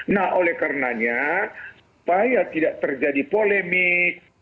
nah oleh karenanya supaya tidak terjadi polemik